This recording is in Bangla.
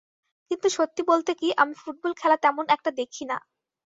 কিন্তু সত্যি বলতে কি, আমি ফুটবল খেলা তেমন একটা দেখি না।